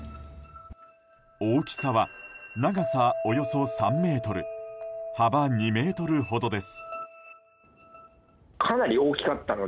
大きさは長さおよそ３ｍ幅２ｍほどです。